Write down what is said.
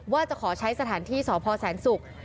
ว่าจะขอใช้สถานที่สพแสนศุกร์